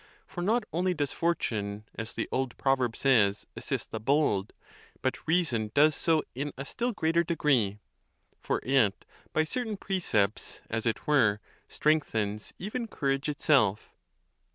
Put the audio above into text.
For not only does Fortune, as the old proverb says, assist the bold, but rea son does so in astill greater degree; for it, by certain precepts, as it were, strengthens even courage itself.